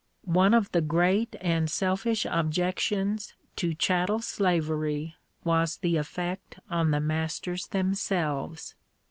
One of the great and selfish objections to chattel slavery was the effect on the masters themselves.